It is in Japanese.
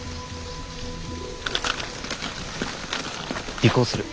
尾行する。